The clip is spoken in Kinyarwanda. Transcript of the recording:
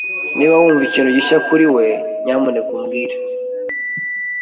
Niba wumva ikintu gishya kuri we, nyamuneka umbwire.